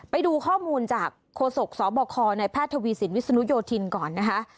ไปดูข้อมูลจากโฆษกสบคในแพทย์ทวีสินวิศนุโยธินก่อนนะคะ